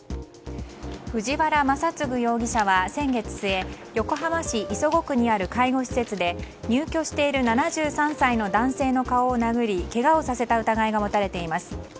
藤原雅嗣容疑者は先月末横浜市磯子区にある介護施設で入居している７３歳の男性の顔を殴りけがをさせた疑いが持たれています。